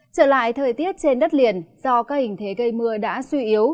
trở lại thời tiết trên đất liền do các hình thế gây mưa đã suy yếu